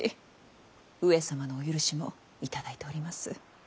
上様のお許しも頂いております。